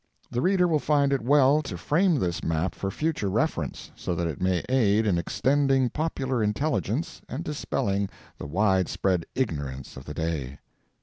The reader will find it well to frame this map for future reference, so that it may aid in extending popular intelligence and dispelling the wide spread ignorance of the day.